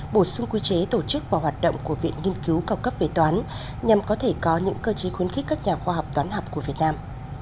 bổ sung quy chế tổ chức và hoạt động của viện nghiên cứu cao cấp về toán nhằm có thể có những cơ chế khuyến khích các nhà khoa học toán học của việt nam